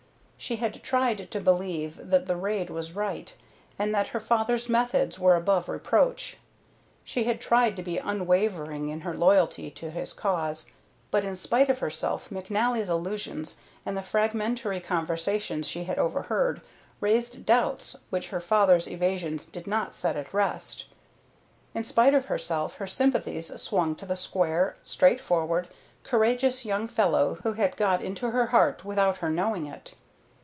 She had tried to believe that the raid was right and that her father's methods were above reproach; she had tried to be unwavering in her loyalty to his cause, but in spite of herself McNally's allusions and the fragmentary conversations she had overheard raised doubts which her father's evasions did not set at rest. In spite of herself her sympathies swung to the square, straightforward, courageous young fellow who had got into her heart without her knowing it.